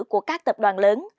của các tập đoàn lớn